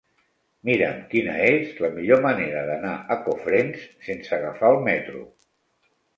Mira'm quina és la millor manera d'anar a Cofrents sense agafar el metro.